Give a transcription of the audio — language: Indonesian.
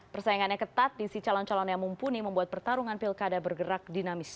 persaingannya ketat di si calon calon yang mumpuni membuat pertarungan pilkada bergerak dinamis